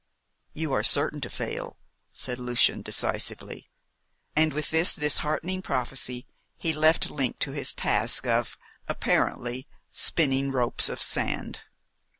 "You are certain to fail," said Lucian decisively, and with this disheartening prophecy he left Link to his task of apparently spinning ropes of sand.